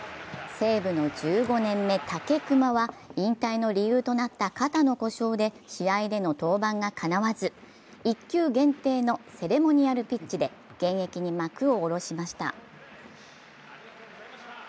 西武の１５年目、武隈は引退の理由となった肩の故障で試合での登板がかなわず１球限定のセレモニアルピッチで現役に幕を下ろしました。